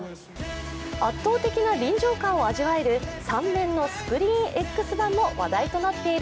圧倒的な臨場感を味わえる３面のＳｃｒｅｅｎＸ版も話題となっている